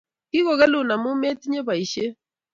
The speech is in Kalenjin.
Kigogelun amu metinye boishiet